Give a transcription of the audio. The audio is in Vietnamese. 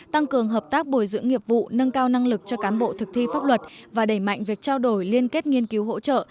tăng cường hợp tác bồi dưỡng nghiệp vụ nâng cao năng lực cho cám bộ thực thi pháp luật và đẩy mạnh việc trao đổi liên kết nghiên cứu hỗ trợ